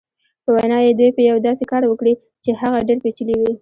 په وینا یې دوی به یو داسې کار وکړي چې هغه ډېر پېچلی وي.